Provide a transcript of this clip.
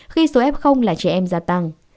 khi số f là trẻ em gia tăng